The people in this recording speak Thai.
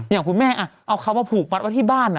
อย่างคุณแม่เอาเขามาผูกมัดไว้ที่บ้าน